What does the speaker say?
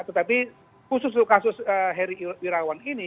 tetapi khusus untuk kasus heri wirawan ini